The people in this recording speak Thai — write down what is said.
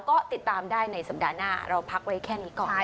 ก็ติดตามได้ในสัปดาห์หน้าเราพักไว้แค่นี้ก่อน